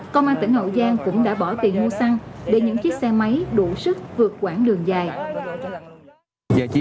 công an tỉnh hậu giang cũng đã bỏ tiền mua xăng để những chiếc xe máy đủ sức vượt quãng đường dài